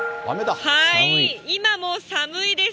今も寒いです。